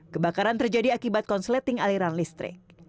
kebakaran terjadi akibat konsleting aliran listrik